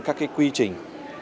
các quy trình